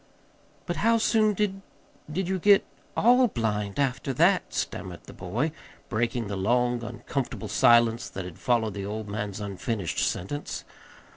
"But how soon did did you get all blind, after that?" stammered the boy, breaking the long, uncomfortable silence that had followed the old man's unfinished sentence.